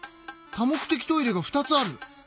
多目的トイレが２つある。